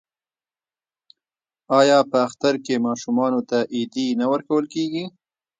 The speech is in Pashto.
آیا په اختر کې ماشومانو ته ایډي نه ورکول کیږي؟